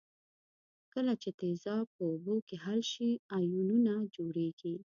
کله چې تیزاب په اوبو کې حل شي آیونونه جوړیږي.